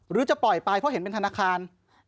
หรือจะปล่อยไปเพราะเห็นเป็นธนาคาร